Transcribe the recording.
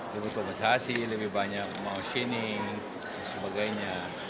lebih otomatisasi lebih banyak motioning dan sebagainya